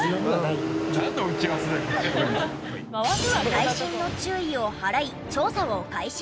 細心の注意を払い調査を開始。